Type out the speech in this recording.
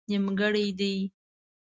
نيمګړئ دي